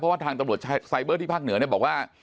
เพราะว่าทางตำรวจไซเบอร์ที่ภาคเหนือบอกว่า